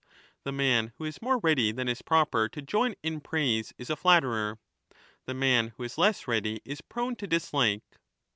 The man who is more ready than is proper to join in praise is a flatterer ; the man who is less ready is prone to dislike.